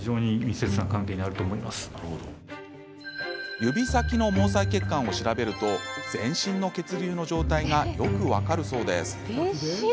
指先の毛細血管を調べると全身の血流の状態がよく分かるそうです。